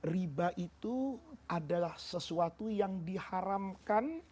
riba itu adalah sesuatu yang diharamkan